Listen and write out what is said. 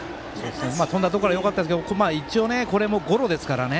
飛んだところがよかったですけど一応、これもゴロですからね。